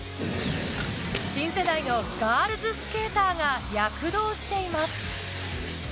新世代のガールズスケーターが躍動しています。